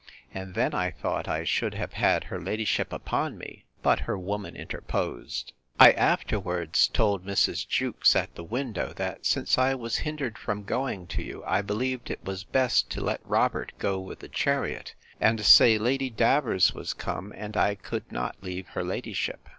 And then I thought I should have had her ladyship upon me; but her woman interposed. I afterwards told Mrs. Jewkes, at the window, that since I was hindered from going to you, I believed it was best to let Robert go with the chariot, and say, Lady Davers was come, and I could not leave her ladyship.